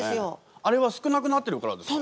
あれは少なくなってるからですか？